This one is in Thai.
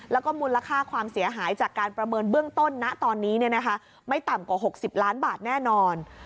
แล้วก็มูลค่าความเสียหายจากการประเมินเบื้องต้นนะตอนนี้ไม่ต่ำกว่า๖๐ล้านบาทแน่นอน